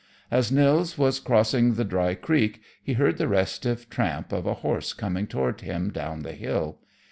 As Nils was crossing the dry creek he heard the restive tramp of a horse coming toward him down the hill.